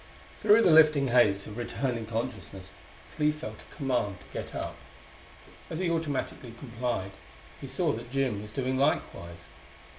Through the lifting haze of returning consciousness Clee felt a command to get up. As he automatically complied he saw that Jim was doing likewise.